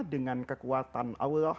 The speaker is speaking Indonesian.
dengan kekuatan allah